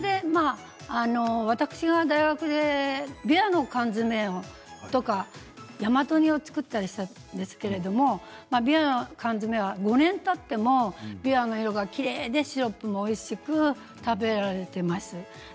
私が大学で、びわの缶詰とか大和煮を作ったんですけどびわの缶詰は５年たってもシロップの色がきれいにシロップもおいしく食べられています。